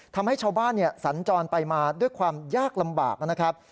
ทำให้ชาวบ้านสัญจรไปมาด้วยความยากลำบากนะครับ